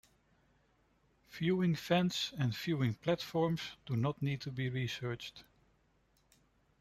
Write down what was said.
Viewing Vents and Viewing Platforms do not need to be researched.